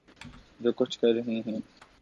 جو کچھ کر رہے ہیں۔